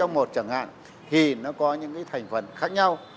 vaccine sáu trong một chẳng hạn thì nó có những cái thành phần khác nhau